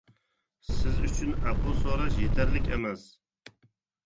سىز ئۈچۈن ئەپۇ سوراش يېتەرلىك ئەمەس.